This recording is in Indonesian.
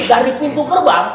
dari pintu gerbang